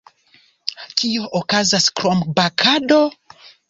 Kio okazas krom bakado?